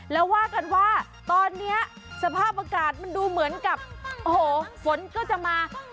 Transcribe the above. แล้วว่ากันว่าตอนนี้สภาพอากาศมันดูเหมือนกับโอ้โหฝนก็จะมา